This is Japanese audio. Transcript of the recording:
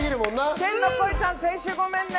天の声ちゃん、先週ごめんね。